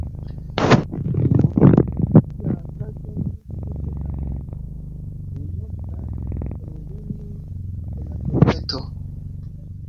Li mortiĝis la tagon post la venonta reveno de la kometo.